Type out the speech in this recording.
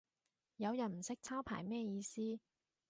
有人唔識抄牌咩意思